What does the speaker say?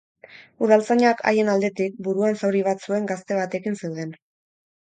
Udaltzainak, haien aldetik, buruan zauri bat zuen gazte batekin zeuden.